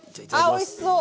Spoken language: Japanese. あっおいしそう！